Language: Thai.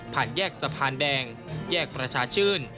แยกสะพานแดงแยกประชาชื่น